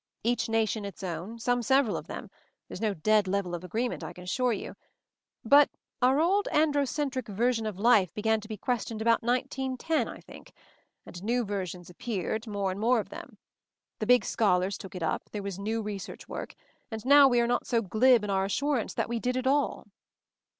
Each nation its own, some several of them, there's no dead level of agreement, I assure you. But our old androcentric version of life began to be questioned about 1910, 1 think — and new versions appeared, more and more of them. The big scholars took it up, there was new research work, and now we are not so glib in our assurance that we did it all."